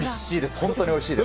本当においしいです。